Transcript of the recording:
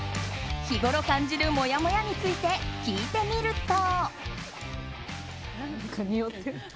日ごろ感じるもやもやについて聞いてみると。